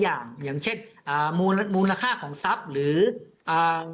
อย่างอย่างเช่นอ่ามูลมูลค่าของทรัพย์หรืออ่า